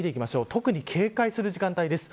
特に、警戒する時間帯です。